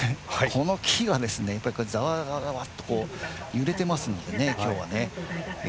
この木が、やっぱりざわざわざわっと揺れてますのでね、今日はね。